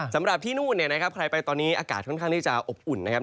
สำหรับที่นู่นเนี่ยนะครับใครไปตอนนี้อากาศค่อนข้างที่จะอบอุ่นนะครับ